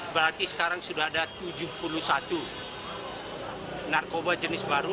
berarti sekarang sudah ada tujuh puluh satu narkoba jenis baru